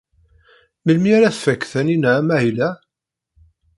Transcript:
Melmi ara tfak Taninna amahil-a?